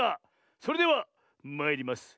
それではまいります。